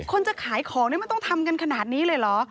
จะขายของนี่มันต้องทำกันขนาดนี้เลยเหรอ